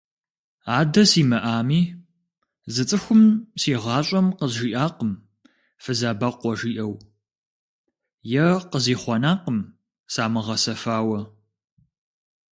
Адэ симыӀами, зы цӀыхум си гъащӀэм къызжиӀакъым фызабэкъуэ жиӀэу, е къызихъуэнакъым самыгъэсэфауэ.